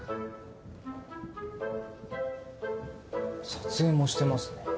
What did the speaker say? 撮影もしてますね。